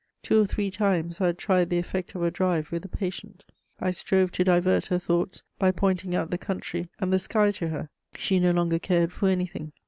Two or three times, I had tried the effect of a drive with the patient; I strove to divert her thoughts by pointing out the country and the sky to her: she no longer cared for anything.